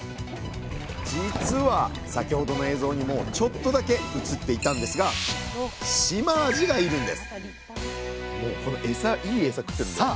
実は先ほどの映像にもちょっとだけ映っていたんですがシマアジがいるんですさあ